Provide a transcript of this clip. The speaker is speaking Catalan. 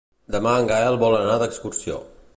Demà en Gaël vol anar d'excursió.